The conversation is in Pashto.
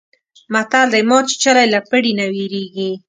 متل دی: مار چیچلی له پړي نه وېرېږي.